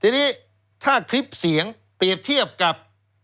ทีนี้ถ้าคลิปเสียงเปรียบเทียบกับ